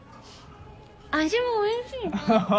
味もおいしいね